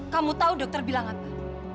kamu tahu dokter bilang apa